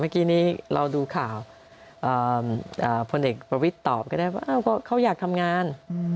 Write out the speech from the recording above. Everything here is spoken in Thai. คนเด็กประวิทย์ตอบก็ได้ว่าเขาอยากทำงาน